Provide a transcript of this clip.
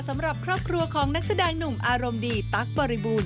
สำหรับครอบครัวของนักแสดงหนุ่มอารมณ์ดีตั๊กบริบูรณ